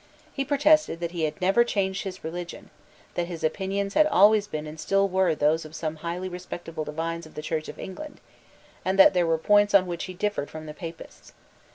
He protested that he had never changed his religion, that his opinions had always been and still were those of some highly respectable divines of the Church of England, and that there were points on which he differed from the Papists.